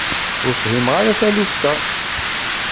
Ur fhimeɣ ara taluft-a.